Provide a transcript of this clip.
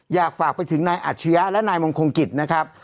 อยากฝากไปถึงนายอาชญะและนายมงคลกิจนะครับ